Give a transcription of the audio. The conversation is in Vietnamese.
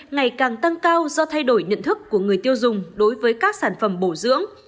ngày càng tăng cao do thay đổi nhận thức của người tiêu dùng đối với các sản phẩm bổ dưỡng